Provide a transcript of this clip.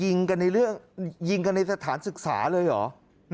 ยิงกันในเรื่องยิงกันในสถานศึกษาเลยเหรอ